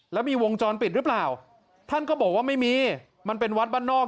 แล้วมีวงจรปิดหรือเปล่าท่านก็บอกว่าไม่มีมันเป็นวัดบ้านนอก